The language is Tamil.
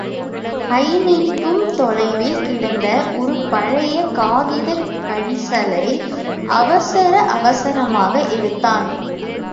கை நீட்டும் தொலைவில் கிடந்த ஒரு பழைய காகிதக் கிழிசலை அவசர அவசரமாக எடுத்தான்.